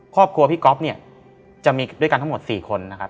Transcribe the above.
ครอบครัวพี่ก๊อฟจะมีด้วยกันทั้งหมด๔คน